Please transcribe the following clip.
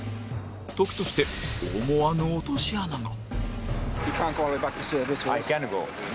時として、思わぬ落とし穴が。